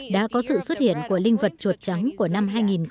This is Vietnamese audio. đã có sự xuất hiện của linh vật chuột trắng của năm hai nghìn một mươi